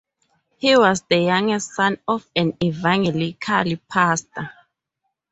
He was the youngest son of an evangelical pastor.